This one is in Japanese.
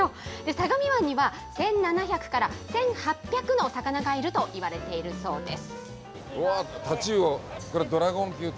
相模湾には１７００から１８００の魚がいるといわれているそうです。